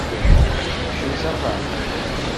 Kcem s axxam.